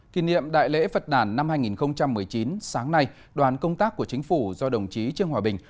kỷ niệm đại lễ phật đàn năm hai nghìn một mươi chín sáng nay đoàn công tác của chính phủ do đồng chí trương hòa bình